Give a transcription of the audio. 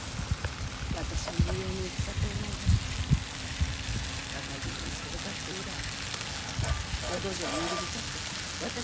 私も無用の戦と思うが若君を授かって以来淀城に入り浸って私の言うことには耳を貸しませぬ。